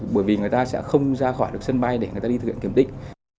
bởi vì người ta sẽ không ra khỏi được sân bay để người ta đi thực hiện kiểm định